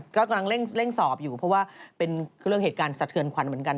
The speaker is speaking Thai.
ก็กำลังเร่งสอบอยู่เพราะว่าเป็นเรื่องเหตุการณ์สะเทือนขวัญเหมือนกัน